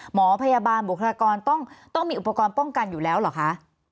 หมอพยาบาลบุคลากรต้องมีอุปกรณ์ป้องกันอยู่แล้วเหรอคะ